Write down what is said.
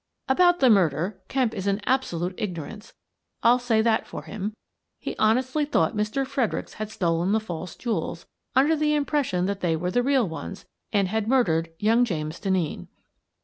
About the murder Kemp was in absolute ignorance, I'll say that for him. He honestly thought Mr. Fredericks had stolen the false jewels — under the impression that they were the real ones — and had murdered young James Denneen.